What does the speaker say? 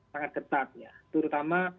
sangat ketat ya terutama